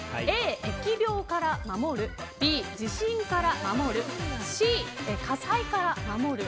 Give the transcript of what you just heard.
Ａ、疫病から守るＢ、地震から守るＣ、火災から守る。